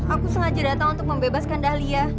aku sengaja datang untuk membebaskan dahlia